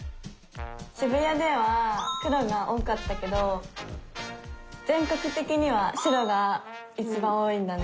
渋谷では黒が多かったけど全国てきには白がいちばん多いんだね。